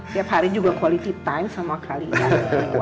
tiap hari juga quality time sama kalian